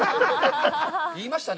言いましたね。